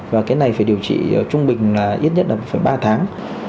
và cái này phải điều trị trung bình là ít nhất là ba tháng